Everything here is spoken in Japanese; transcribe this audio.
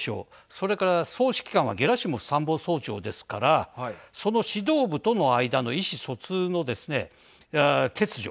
それから総指揮官はゲラシモフ参謀総長ですからその指導部との間の意思疎通のですね、欠如。